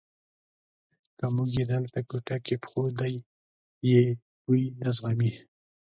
که موږ یې دلته کوټه کې پخو دی یې بوی نه زغمي.